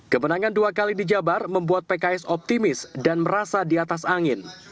kemenangan dua kali di jabar membuat pks optimis dan merasa di atas angin